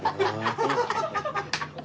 ハハハハ！